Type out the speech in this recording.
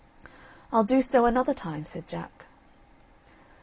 "I'll do so another time," said Jack.